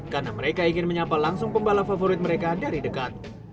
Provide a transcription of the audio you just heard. karena mereka ingin menyapa langsung pembalap favorit mereka dari dekat